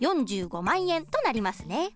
４５万円となりますね。